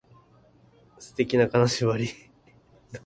素敵な金縛り